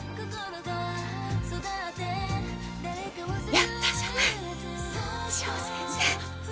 やったじゃない志保先生！